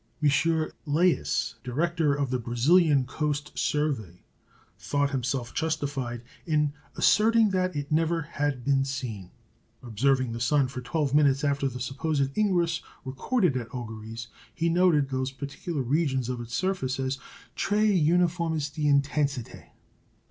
M. Liais, director of the Brazilian Coast Survey, thought himself justified in asserting that it never had been seen. Observing the sun for twelve minutes after the supposed ingress recorded at Orgères, he noted those particular regions of its surface as "très uniformes d'intensité."